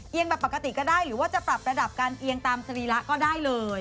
แบบปกติก็ได้หรือว่าจะปรับระดับการเอียงตามสรีระก็ได้เลย